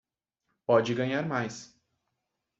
Pode ganhar mais